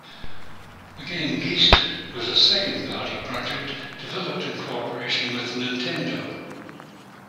The game "Geist" was a second-party project, developed in cooperation with Nintendo.